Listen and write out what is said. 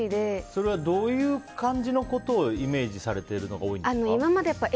それはどういう感じのことをイメージされてるのが多いんですか？